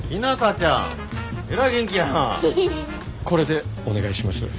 これでお願いします。